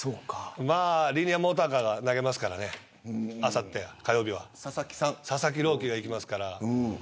リニアモーターカーが投げますから、あさって佐々木朗希がいきますから。